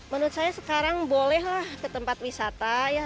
menurut saya sekarang bolehlah ke tempat wisata ya